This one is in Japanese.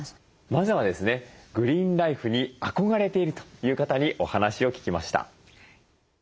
まずはですねグリーンライフに憧れているという方にお話を聞きました。